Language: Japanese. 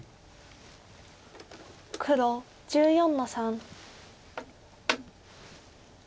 黒１４の三。